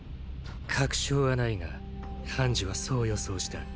確証は無いがハンジはそう予想した。